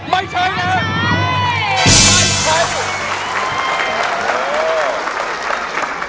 ไม่ใช่ครับ